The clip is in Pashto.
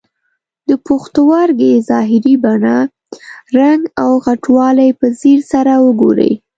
د پښتورګي ظاهري بڼه، رنګ او غټوالی په ځیر سره وګورئ.